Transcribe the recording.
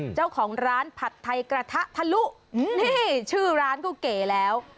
เจ้าของร้านผัดไทยกระทะทะลุนี่ชื่อร้านก็เก๋แล้ว